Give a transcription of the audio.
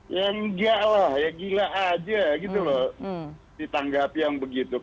ya enggak lah ya gila aja gitu loh ditanggapi yang begitu